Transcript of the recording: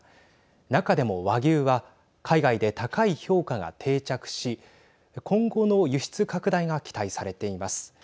中でも和牛は海外で高い評価が定着し今後の輸出拡大が期待されています。